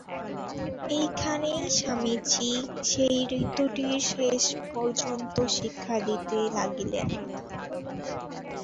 এইখানেই স্বামীজী সেই ঋতুটির শেষ পর্যন্ত শিক্ষা দিতে লাগিলেন।